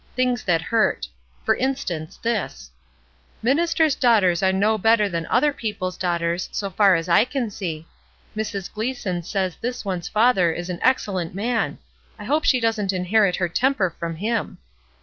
Things that hurt. For instance, this :—"' Ministers' daughters are no better than other people's daughters, so far as I can see; Mrs. Gleason says this one's father is an excellent man ; I hope she doesn't inherit her temper from him.'